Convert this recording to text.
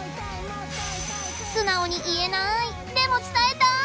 素直に言えないでも伝えたい。